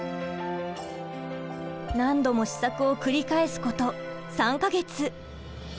何度も試作を繰り返すこと３か月。